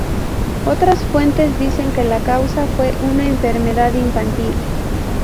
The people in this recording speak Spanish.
Otras fuentes dicen que la causa fue una enfermedad infantil.